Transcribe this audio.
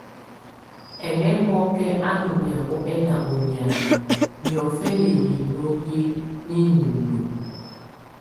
Ɛŋɛmɔkɛ a nɔ́ miahɔ ɛna ɔ niana, niɔfɛnɛ hino hɛ ninumbǝ.